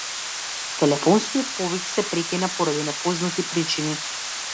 Телефонскиот повик се прекина поради непознати причини.